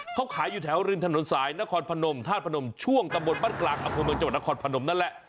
เขาขายอยู่แถวริมถนนสายนครพนมธาตุพนมช่วงตำบลบ้านกลางอำเภอเมืองจังหวัดนครพนมนั่นแหละ